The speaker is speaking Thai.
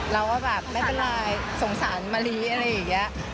เราก็แบบไม่เป็นไรสงสารมะลิอะไรอย่างนี้